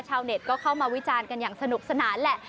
ชาวเน็ตก็เข้ามาวิจารณ์กันอย่างสนุกสนานแหละ